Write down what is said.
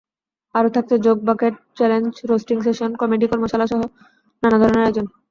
আরও থাকছে joke bucket challenge, roasting session, comedy কর্মশালাসহ নানা ধরনের আয়োজন।